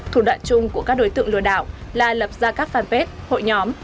thủ đoạn chung của các đối tượng lừa đảo là lập ra các fanpage hội nhóm